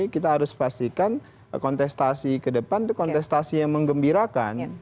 kita harus pastikan kontestasi ke depan itu kontestasi yang mengembirakan